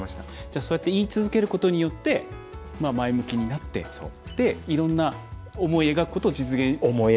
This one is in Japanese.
そうやって言い続けることによって前向きになっていろんな思い描くことを実現してきた。